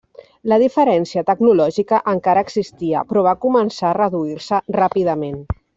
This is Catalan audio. La diferència tecnològica encara existia, però va començar a reduir-se ràpidament.